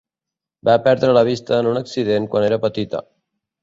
Va perdre la vista en un accident quan era petita.